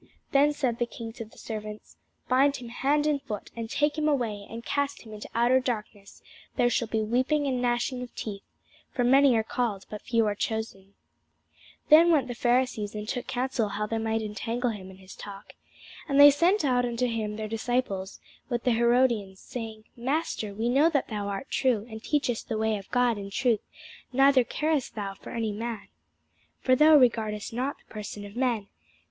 Then said the king to the servants, Bind him hand and foot, and take him away, and cast him into outer darkness; there shall be weeping and gnashing of teeth. For many are called, but few are chosen. [Sidenote: St. Matthew 22] Then went the Pharisees, and took counsel how they might entangle him in his talk. And they sent out unto him their disciples with the Herodians, saying, Master, we know that thou art true, and teachest the way of God in truth, neither carest thou for any man: for thou regardest not the person of men.